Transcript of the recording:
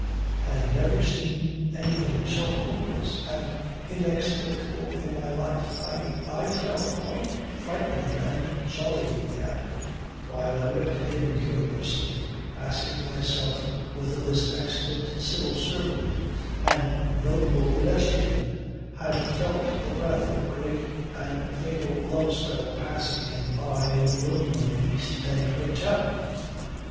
"I have never seen anything so hopeless and inexplicable in my life. I I felt quite frightened and sorry," he added, while I looked at him curiously asking myself whether this excellent civil servant and notable pedestrian had felt the breath of a great and fatal love spell passing him by in the room of that East end hotel.